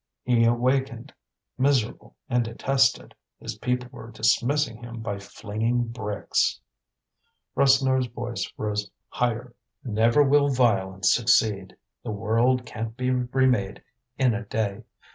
He awakened, miserable and detested; his people were dismissing him by flinging bricks. Rasseneur's voice rose higher: "Never will violence succeed; the world can't be remade in a day.